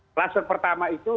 klaster pertama itu